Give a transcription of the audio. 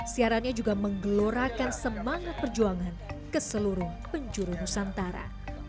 siarannya juga menggelorakan semangat perjuangan ke seluruh penjuru nusantara